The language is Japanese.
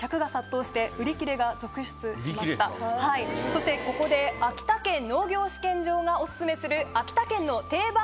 そしてここで秋田県農業試験場がオススメする。